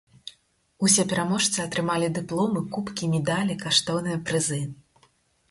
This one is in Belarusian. Усе пераможцы атрымалі дыпломы, кубкі, медалі, каштоўныя прызы.